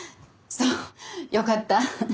そうよかった。